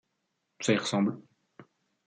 Ça y ressemble.